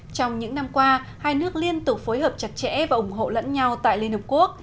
trong những năm qua hai nước liên tục phối hợp chặt chẽ và ủng hộ lẫn nhau tại liên hợp quốc